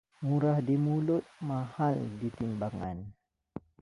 Murah di mulut mahal di timbangan